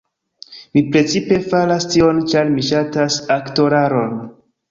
Mi precipe faras tion ĉar mi ŝatas aktoraron